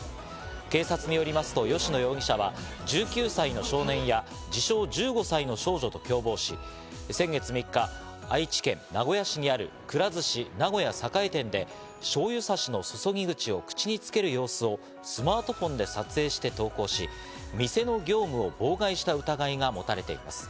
警察によりますと吉野容疑者は１９歳の少年や、自称１５歳の少女と共謀し、先月３日、愛知県名古屋市にある、くら寿司名古屋栄店で醤油さしの注ぎ口を口につける様子をスマートフォンで撮影して投稿し、店の業務を妨害した疑いが持たれています。